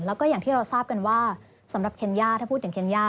แล้วก็อย่างที่เราทราบกันว่าสำหรับเคนย่าถ้าพูดถึงเคนย่า